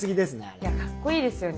いやかっこいいですよね。